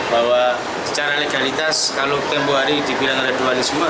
bahwa secara legalitas kalau tempoh hari dibilang ada dualisme